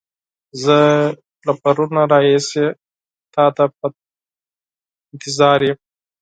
زه له پرون راهيسې تا ته انتظار يم.